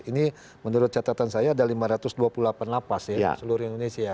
ini menurut catatan saya ada lima ratus dua puluh delapan lapas ya seluruh indonesia